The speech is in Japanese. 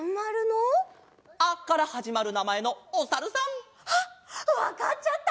「ア」からはじまるなまえのおさるさん！あっわかっちゃった！